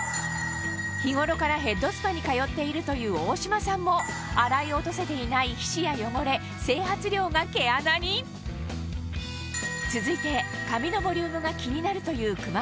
日頃からヘッドスパに通っているという大島さんも洗い落とせていない皮脂や汚れ整髪料が毛穴に続いてそうですね